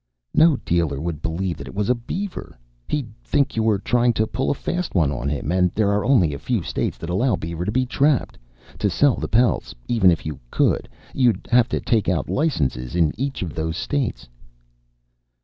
"No dealer would believe that it was beaver. He'd think you were trying to pull a fast one on him. And there are only a few states that allow beaver to be trapped. To sell the pelts even if you could you'd have to take out licenses in each of those states."